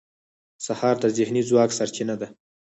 سهار د ذهني ځواک سرچینه ده.